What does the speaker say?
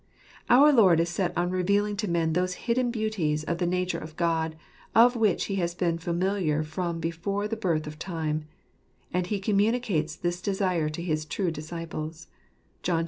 Our Lord is set on revealing to men those hidden beauties of the nature of God, with which He has been familiar from before the birth of time ; and He communicates this desire to his true disciples (John xv.